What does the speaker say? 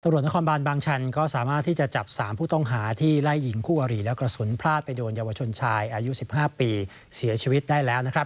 นครบานบางชันก็สามารถที่จะจับ๓ผู้ต้องหาที่ไล่หญิงคู่อารีและกระสุนพลาดไปโดนเยาวชนชายอายุ๑๕ปีเสียชีวิตได้แล้วนะครับ